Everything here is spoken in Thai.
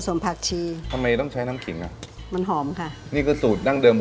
เจ้าเจ้าบอกว่าอันนี้เป็น